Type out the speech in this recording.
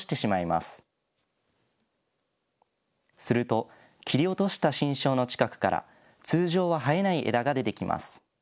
すると切り落とした新梢の近くから通常は生えない枝が出てきます。